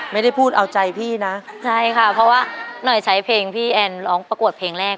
ไม่ได้พูดเอาใจพี่นะใช่ค่ะเพราะว่าหน่อยใช้เพลงพี่แอนร้องประกวดเพลงแรก